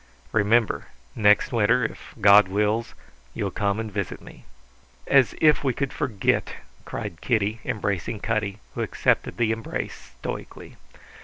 Remember, next winter, if God wills, you'll come and visit me." "As if we could forget!" cried Kitty, embracing Cutty, who accepted the embrace stoically.